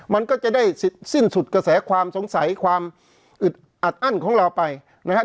มันก็จะได้สิ้นสุดกระแสความสงสัยความอึดอัดอั้นของเราไปนะครับ